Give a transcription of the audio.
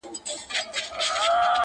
وه ه ته به كله زما شال سې ـ